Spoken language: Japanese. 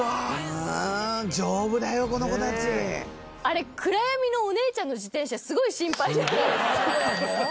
あれ暗闇のお姉ちゃんの自転車すごい心配じゃないですか？